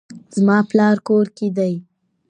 زما پلار کور کې دی